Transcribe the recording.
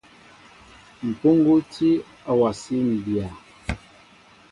Mpuŋgu tí a wasí mbya.